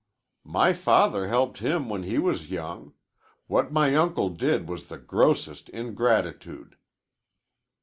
"My father helped him when he was young. What my uncle did was the grossest ingratitude."